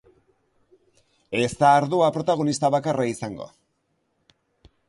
Ez da ardoa protagonista bakarra izango.